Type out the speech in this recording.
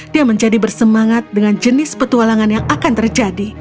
dia menjadi bersemangat dengan jenis petualangan yang akan terjadi